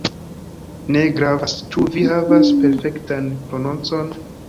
Ne gravas, ĉu vi havas perfektan prononcon.